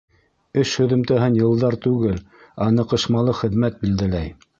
Эш һөҙөмтәһен йылдар түгел, ә ныҡышмалы хеҙмәт билдәләй.